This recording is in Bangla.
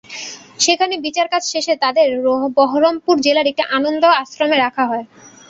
সেখানে বিচারকাজ শেষে তাদের বহরমপুর জেলার একটি আনন্দ আশ্রমে রাখা হয়।